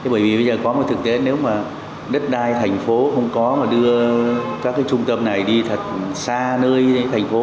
bởi vì bây giờ có một thực tế nếu mà đất đai thành phố không có mà đưa các cái trung tâm này đi thật xa nơi thành phố